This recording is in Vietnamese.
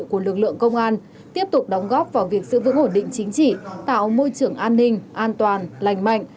của lực lượng công an tiếp tục đóng góp vào việc giữ vững ổn định chính trị tạo môi trường an ninh an toàn lành mạnh